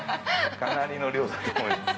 かなりの量だと思います